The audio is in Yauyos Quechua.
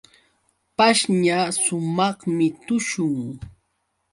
Pashña sumaqmi tushun.